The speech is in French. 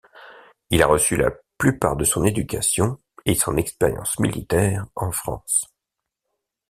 Il a reçu la plupart de son éducation et son expérience militaire en France.